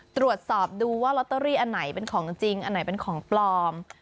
ตรวจสอบดูว่าลอตเตอรี่อันไหนเป็นของจริงอันไหนเป็นของปลอม